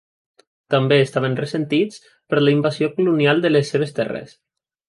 També estaven ressentits per la invasió colonial de les seves terres.